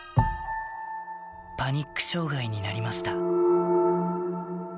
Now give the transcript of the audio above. パニック障害になりました。